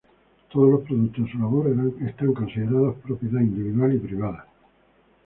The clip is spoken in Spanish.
Todos los productos de su labor eran considerados propiedad individual y privada.